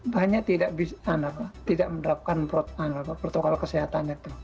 banyak tidak bisa tidak menerapkan protokol kesehatan itu